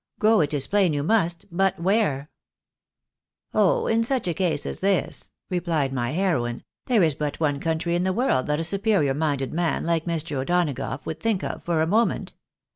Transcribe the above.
Go, it is plain, you must — ^but where ?"" Oh ! in such a case as this," replied my heroine, " there is but one country in the world that a superior minded man, like Mr. O'Donagough, would think of for a moment.